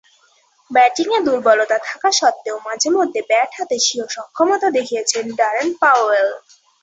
ব্যাটিংয়ে দূর্বলতা থাকা সত্ত্বেও মাঝে-মধ্যে ব্যাট হাতে স্বীয় সক্ষমতা দেখিয়েছেন ড্যারেন পাওয়েল।